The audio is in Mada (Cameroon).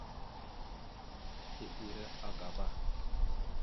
Ike ira agaba.